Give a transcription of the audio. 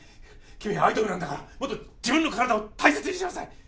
君はアイドルなんだからもっと自分の体を大切にしなさい！